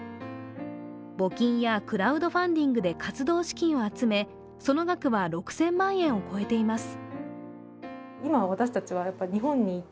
募金やクラウドファンディングで活動資金を集めその額は６０００万円を超えています。